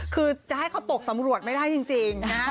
คือจะให้เขาตกสำรวจไม่ได้จริงนะฮะ